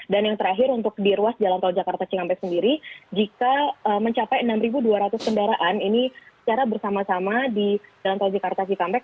dan yang terakhir untuk diruas jalan tol jakarta cikampek sendiri jika mencapai enam ribu dua ratus kendaraan ini secara bersama sama di jalan tol jakarta cikampek